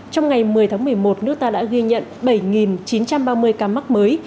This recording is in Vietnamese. trong ngày một mươi tháng một mươi một nước ta đã ghi nhận bảy chín trăm ba mươi ca mắc mới